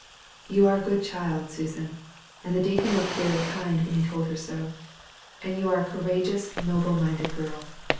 "You are a good child, Susan," and the deacon looked very kind when he told her so, "and you are a courageous, noble minded girl.